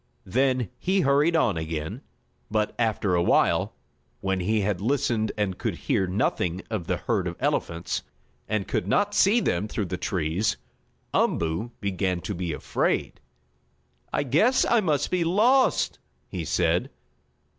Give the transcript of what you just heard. Then he hurried on again, but, after awhile, when he had listened and could hear nothing of the herd of elephants, and could not see them through the trees, Umboo began to be afraid. "I guess I must be lost!" he said.